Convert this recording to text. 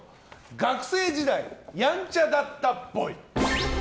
学生時代ヤンチャだったっぽい。